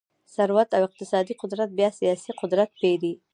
ثروت او اقتصادي قدرت بیا سیاسي قدرت پېري.